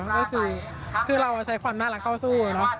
ก็คือเราใช้ความน่ารักเข้าสู้เนอะ